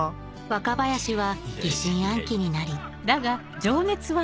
若林は疑心暗鬼になり